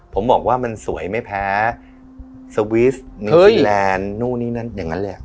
ผมบอกว่ามันสวยไม่แพ้สวิสนิวซีแลนด์นู่นนี่นั่นอย่างนั้นเลย